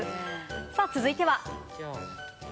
さぁ、続いては。